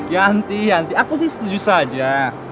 yanti yanti aku sih setuju saja